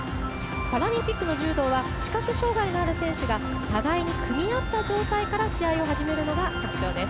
パラリンピックの柔道は視覚障がいのある選手が互いに組み合った状態から試合を始めるのが特徴です。